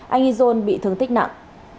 anh izon bị thương tích nặng